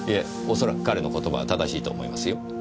恐らく彼の言葉は正しいと思いますよ。